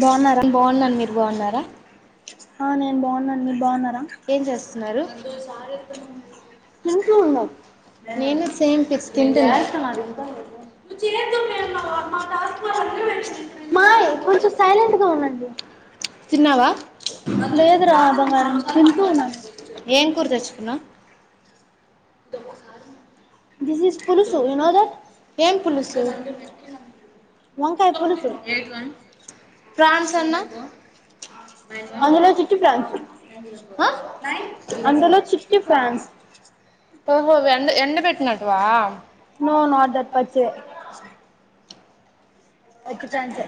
[unintelligible] బావున్నాను మీరు బావున్నారా ఆ నేను బావున్నానండి మీరు బావున్నా ఏం చేస్తున్నారు నేను కు సేమ్ పీస్ తింటున్న మాయ్ కొంచెం సైలెంట్గా ఉండడి లేదు రా బంగారం ఏం కూర తెచ్చుకున్నావ్ దొంగ sir this is pulusu you know that prawns అన్నా అందులో చిట్టి ఫ్రాన్స్ అందులో చిట్టి ఫ్రాన్స్ నో నాట్ దట్ పచ్చే వచ్చె ఛాన్సే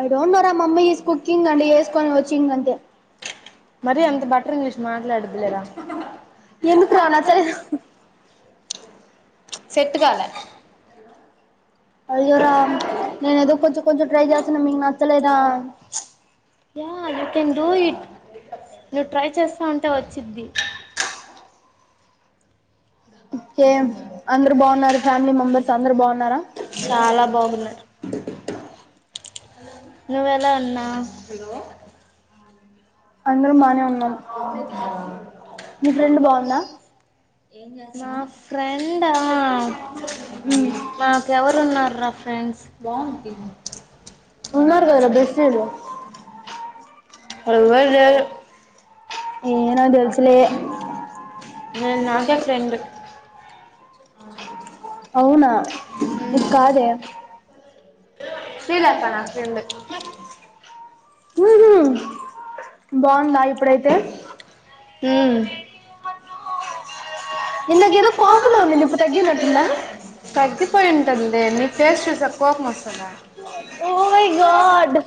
ఐ డోంట్ నో రా మమ్మీ ఇస్ కుకింగ్ వంట చేసుకొని వచ్చింగ్ అంతే ఎందుకు రా నచ్చలేదా సెట్ కాలే అయ్యో రామ్ నేను ఎదో కొంచం కొంచం ట్రై చేస్తున్నా మీ నా yeah you can do it నువ్వు ట్రై చేస్తా ఉంటే వచ్చిద్ది చాలా బాగున్నారు అ నువ్వెలా ఉన్నావ్ హలో అందరం బానే ఉన్నాం. మీ ఫ్రెండ్ బాగుందా నా ఫ్రెండ్ మాకు ఎవరు ఉన్నర్రా ఫ్రెండ్స్ ఏవ్వర్ లేరు ఏ నాక్ తెలుస్లే [unintelligible] అవునా ఇది కాదే హ్మ్ ఉ బాగుందా ఇప్పుడైతే ఇందాకా ఏదో పాపల ఉంది. ఇప్పుడు తగ్గినట్టు ఉందా ఓ మై గాడ్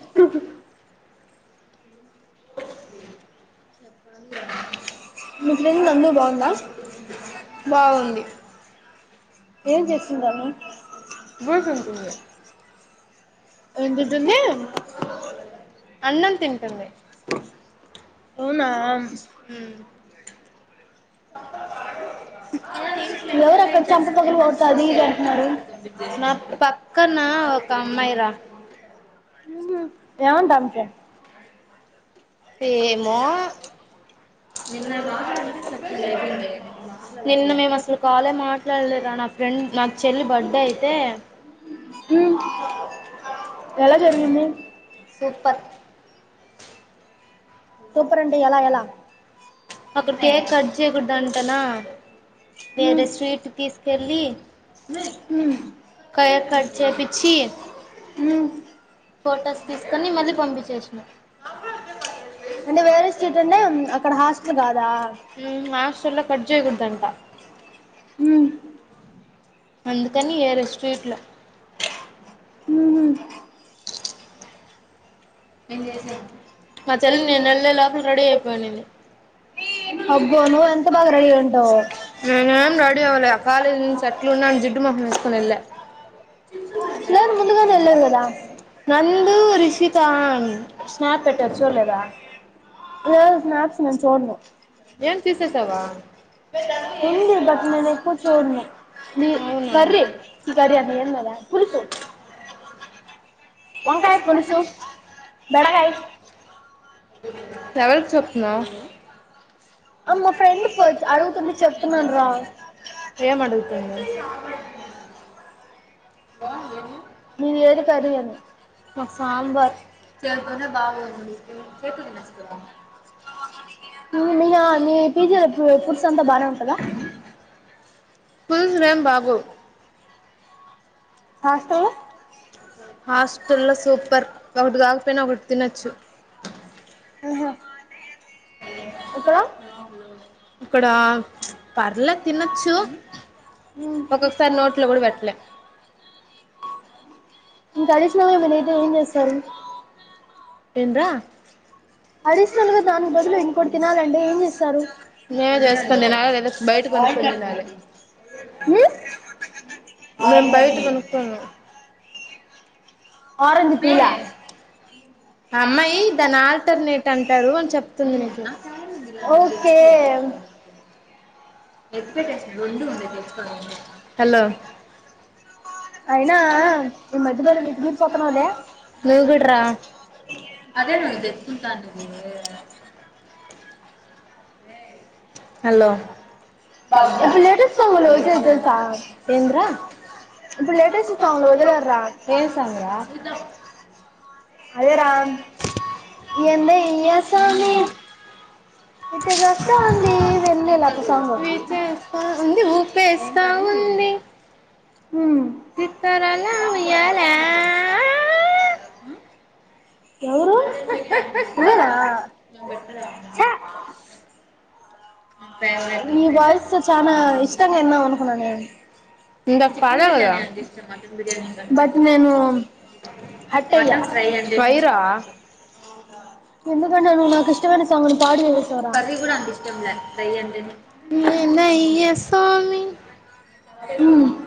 ఉ మీ ఫ్రెండ్ నందు బాగుందా ఏం చేస్తుంది ఆమె [unintelligible] ఉంది బడ్జెట్ ఉంది. అన్నం తింటుంది. అవునా ఎవరు అక్కడ చంప పగలకోడతాది. అది ఇది అంటున్నారు. హ్మ్ ఉ ఏమంటానికి ఏమో నిన్న మేము అసలు కాలే మాట్లాడలేరా నా ఫ్రెండ్ నాకు చెల్లి బర్త్డే అయితే సూపర్ సూపరాంటే ఎలా ఎలా హ్మ్ హ్మ్ అంటే [unintelligible] ఉమ్, మా హాస్టళ్ల కట్ చేయకూడదంట. అందుకని, ఏరె స్ట్రీట్ల హ్మ్ ఉ మా చెల్లిని నేను వెళ్ళే లోపల రెడీ అయిపోయి ఉండింది. నేన్ ఏమ్ రెడీ అవ్వలే ఆ కాలేజీ నుంచి ఎట్లున్నాను జిడ్డు మొఖం వేసుకొని వెళ్ళా లేరు ముందుగానే వెళ్లారు కదా తూ రూషికా ఉమ్, స్నాప్ పెట్టారు చూడలేదా? ఏ స్నాక్స్, నెన్ చూడ్ను. ఏన్ తీసేసావా? అవునా? వంకాయ పులుసు, బెండకాయి. ఎవరికి చెప్తున్నావ్? అ మా ఫ్రెండ్ అడుగుతుంటె చెప్తున్నాన్ రా. మీది ఏది కర్రీ అని? మీయా? మీ ఫ్రిడ్జ్ [unintelligible] ఫుడ్స్ అంతా బానే ఉంటదా? కూల్ గ్రామ్ బాగోవ్. హాస్టల్లో సూపర్, ఒకటి కాకపోయినా ఒకటి తినొచ్చు. ఓ హో ఎక్కడ? క్కడ ప్చ్ పర్లే తినొచ్చు, ఒక్కొక్కసారి నోట్లో కూడ పెట్టలే. ఇంక అడిషనల్ గ మి [unintelligible] ఏం చేస్తారు? ఏంద్రా? అడిషనల్గా దానికి బదులు ఇంకోటి తినాలంటే, ఏం చేస్తారు? ఉమ్? ఆరెంజ్ పిలా. అ ఓకే. అయినా, ఈ మధ్య బానె మితి మీరుపోతన్నావ్ లే? హలో, ఏంద్రా ఏమ్ సాంగ్ రా? అదే రామ్ ఏందో ఇయ్యే సామి ఊపేస్తా ఉంది చిత్తరాలు ఉయ్యాల ఎవరూ? నువ్వేనా, చ్చ. మీ వాయిస్ చానా ఇష్టంగా విందాం అనుకున్నా నేను, బట్ నేను హట్ అయ్యా. ఎందుకంటే నువు నాకు ఇష్టమైన సాంగ్ను పాడి చూపిస్తవ్రా. ఎందయ్యా సామ్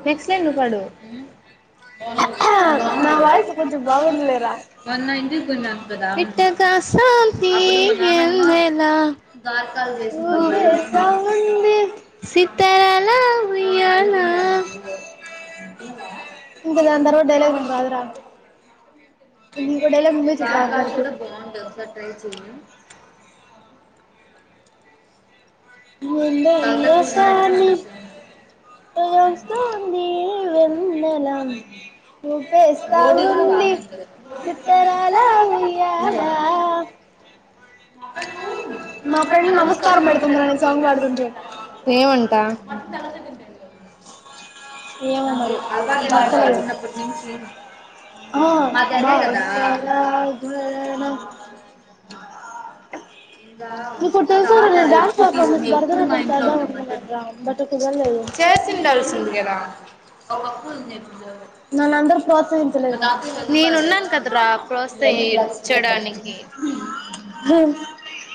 నెక్స్ట్ లైన్ నువ్ పాడు. ఇట్ట గాస్తాంధి ఎన్నెల. సీతరాల ఇంగ దాన్ తర్వాత డైలాగులు రాదు ర [unintelligible] కూడ బావుండే ఒకసారి ట్రై చెయ ఎందయ్య స్వామి ఇట్ట గస్తంధి ఈ వెన్నెల ఊపేస్తా ఉంది సిత్తరాల ఉయ్యాల మా ఫ్రెండ్ నమస్కారం పెడుతుందిరా సాంగ్ పడుతుంటె ఏమో మరి [unintelligible] నీకోటి తెలుసారా నేను డన్స్ పర్ఫార్మెన్స్ భరతనాట్యం చేద్దాం అనుకున్నా బట్ కుదర్లేదు నన్ను అందరు ప్రోత్సహించలేదు [unintelligible]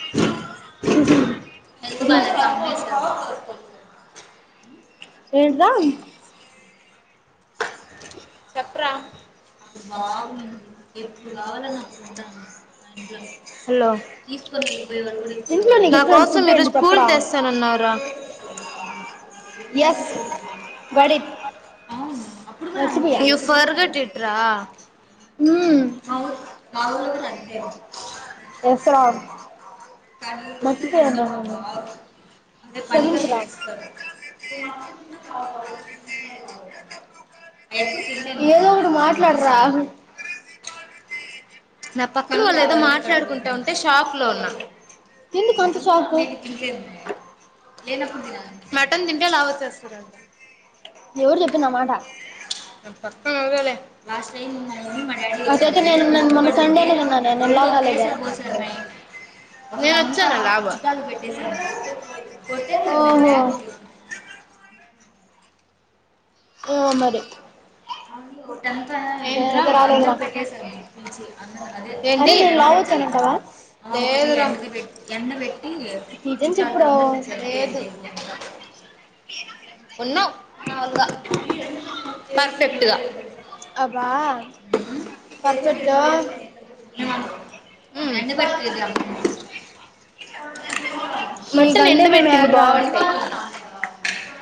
ఎందుకు ఆల హమ్ ఎంట్ర ఇంట్లో నీకు ఇష్టంమైన ఫుడ్ ఏంటో చప్రా యస్ అవును అప్పుడు కూడ అంతే హమ్ యస్ ర మంచిద ఎ స ఏదో ఒకటి మాట్లాడ్ర మటన్ తింటే లవ్ వచ్చేస్తర్ అంట అట్ట అయితే నేను న మొన్న సండేనే తిన్ననే నేన లావు కాలేదే నేన్ వచ్చానే బాబు ఉ మరి ఏందిరా ఏంది లేద్ ర లేదు ఉన్నావ్ మామూల్గా అబ్బా పర్ఫెక్టు మీకంటే మేము యాడ్ర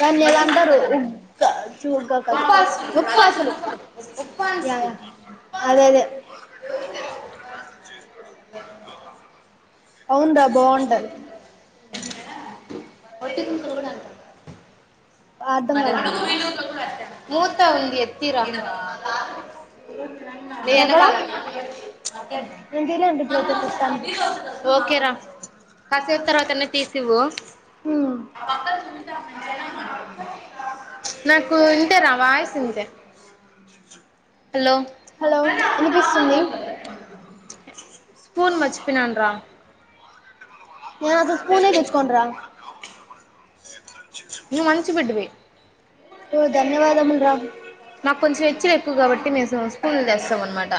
నన్ని ఇద్ అంటరు ఉగ్గ ముగా కదు రప్పసలు యా య అదే అద అవుందా బాగుంట వటి త సరు కూడా ట అర్థం కల తిన్నావా ఎకడ [unintelligible] కాసే తర్వాతనే తీసిఇవు హలో ఇనిపిస్తుంది నను అస స్పూనే తెచ్కండ్ర ఎ నువ్ మనంచిబిడ్వ మాకు కొంచెం హచ్చలు ఎక్కువ కాబట్టి మేము స్పూన్లు చేస్తాం అనమాట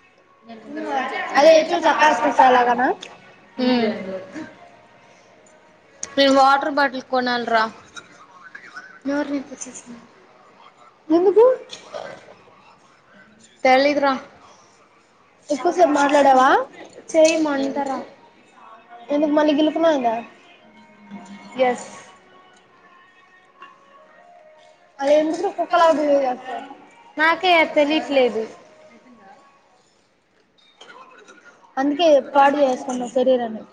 [unintelligible] హమ్ నేను వాటర్ బాటిల్ కొనాలరారు ఎక్కువసేపు మాట్లాడావా ఎందుకు మళ గిలుపున్నావు కదా [inaudible] అది ఎందు కుక్కలా బిహేవ్ చేస్తావ్ ఎతు అందుకే పాడు చేసుకున్నా శరీరాన్ని